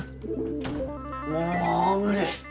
もう無理！